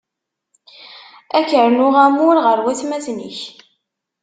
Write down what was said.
Ad k-rnuɣ amur ɣef watmaten-ik.